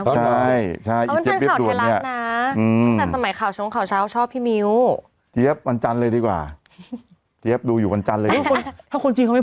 ใช่ใช่อีกแจกแมวตรวนเนี่ยเขาเป็นแฟนข่าวไทยรัสนะ